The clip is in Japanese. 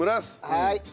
はい。